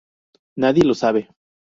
Nadie lo sabe.